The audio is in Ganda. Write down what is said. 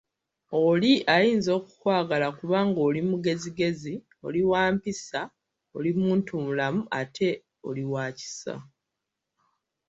Oli ayinza okukwagala kubanga oli mugezigezi, oli wa mpisa, oli muntumulamu ate oli wa kisa.